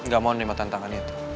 gak mau menerima tantangan itu